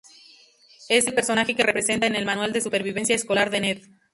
Es el personaje que representa en el manual de supervivencia escolar de Ned.